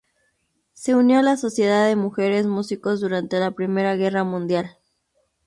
Se unió a la Sociedad de Mujeres Músicos durante la Primera Guerra Mundial.